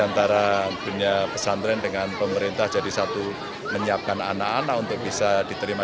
antara punya pesantren dengan pemerintah jadi satu menyiapkan anak anak untuk bisa diterima